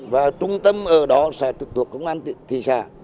và trung tâm ở đó sẽ trực thuộc công an thị xã